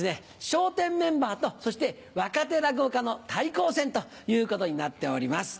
笑点メンバーとそして若手落語家の対抗戦ということになっております。